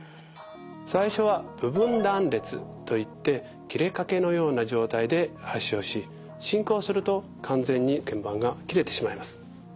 最初は部分断裂といって切れかけのような状態で発症し進行すると完全にけん板が切れてしまいます。